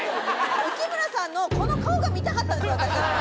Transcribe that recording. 内村さんのこの顔が見たかったんです私たち。